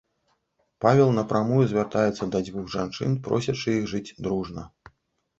Павел напрамую звяртаецца да дзвух жанчын, просячы іх жыць дружна.